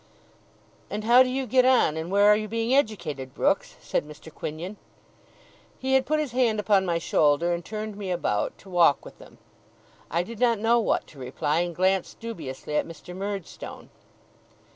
'And how do you get on, and where are you being educated, Brooks?' said Mr. Quinion. He had put his hand upon my shoulder, and turned me about, to walk with them. I did not know what to reply, and glanced dubiously at Mr. Murdstone.